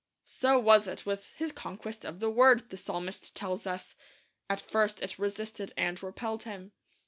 So was it with his conquest of the Word, the psalmist tells us. At first it resisted and repelled him.